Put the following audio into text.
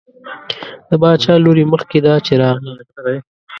د باچا لور یې مخکې ده چې راغله.